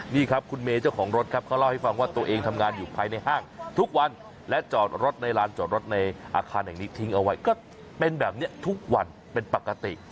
นี่ครับคุณเมย์เจ้าของรถครับเขาเล่าให้ฟังว่าตัวเองทำงานอยู่ภายในห้างทุกวันและจอดรถในลานจอดรถในอาคารแห่งนี้ทิ้งเอาไว้ก็เป็นแบบนี้ทุกวันเป็นปกติ